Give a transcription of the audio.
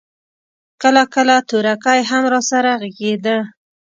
کله کله تورکى هم راسره ږغېده.